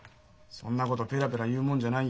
そんなことペラペラ言うもんじゃないよ。